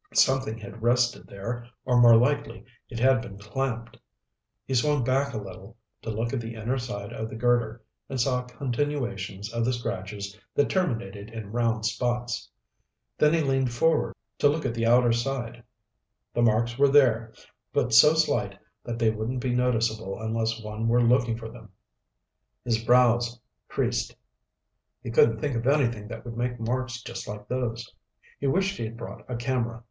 Something had rested there, or, more likely, it had been clamped. He swung back a little to look at the inner side of the girder and saw continuations of the scratches that terminated in round spots. When he leaned forward to look at the outer side, the marks were there, but so slight that they wouldn't be noticeable unless one were looking for them. His brows creased. He couldn't think of anything that would make marks just like those. He wished he had brought a camera.